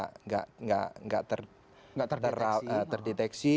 kalau di leher nggak terdeteksi